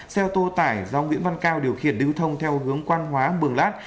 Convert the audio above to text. xe ô tô tải do nguyễn văn cao điều khiển điêu thông theo hướng quan hóa bường láp